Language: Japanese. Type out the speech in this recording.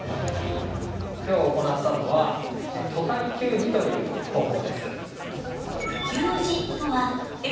きょう行ったのはと体給餌という方法です。